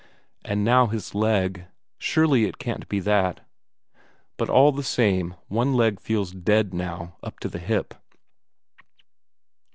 and now his leg surely, it can't be that but all the same one leg feels dead now up to the hip.